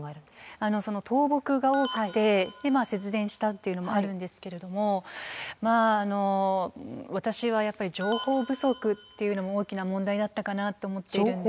あのその倒木が多くてでまあ切電したっていうのもあるんですけれどもまああの私はやっぱり情報不足っていうのも大きな問題だったかなと思っているんです。